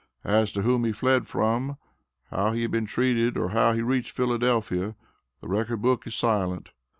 As to whom he fled from, how he had been treated, or how he reached Philadelphia, the record book is silent.